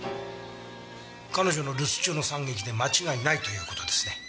彼女の留守中の惨劇で間違いないという事ですね。